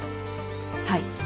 はい。